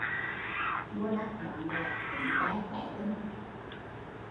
Mua đắt bán rẻ, tính te té tinh